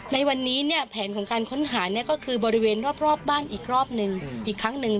ในวันนี้เนี่ยแผนของการค้นหาเนี่ยก็คือบริเวณรอบบ้านอีกรอบนึงอีกครั้งหนึ่ง